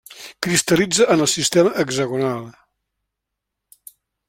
Cristal·litza en el sistema hexagonal.